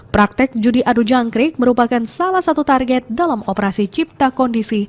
praktek judi adu jangkrik merupakan salah satu target dalam operasi cipta kondisi